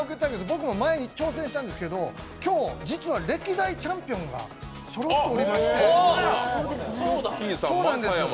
僕も前に挑戦したんですけど今日、実は歴代チャンピオンがそろっておりまして。